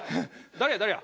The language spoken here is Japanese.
誰や誰や？